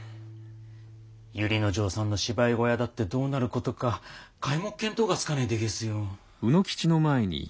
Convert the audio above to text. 由利之丞さんの芝居小屋だってどうなることか皆目見当がつかねえでげすよ。